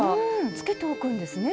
つけておくんですね